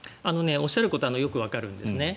おっしゃることはよくわかるんですね。